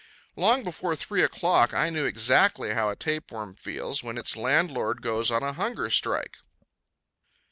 Long before three o'clock I knew exactly how a tapeworm feels when its landlord goes on a hunger strike.